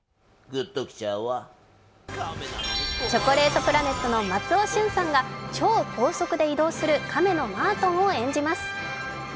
更にチョコレートプラネットの松尾駿さんが超高速で移動する亀のマートンを演じます。